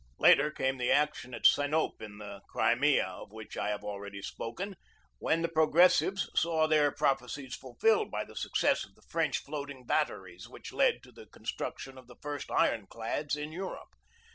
Later came the action at Sinope in the Crimea, of which I have already spoken, when the progres 38 BEGINNING OF THE CIVIL WAR 39 sives saw their prophecies fulfilled by the success of the French floating batteries which led to the con struction of the first iron clads in Europe.